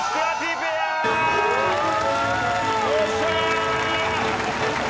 よっしゃー！